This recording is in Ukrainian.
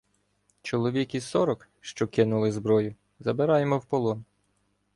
Чоловік із сорок, що кинули зброю, забираємо в полон.